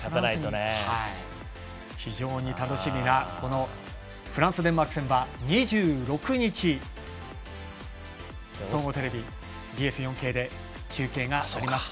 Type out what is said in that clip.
非常に楽しみなフランス、デンマーク戦は２６日総合テレビ、ＢＳ４Ｋで中継があります。